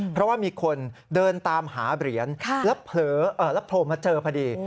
เพราะว่ามีคนเดินตามหาเหรียญแล้วโผล่มาเจอพอดี